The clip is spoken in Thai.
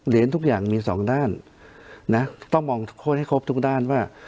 ทุกอย่างมีสองด้านนะต้องมองทุกคนให้ครบทุกด้านว่า